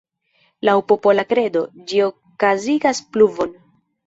Laŭ popola kredo, ĝi okazigas pluvon.